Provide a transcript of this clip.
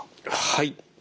はい。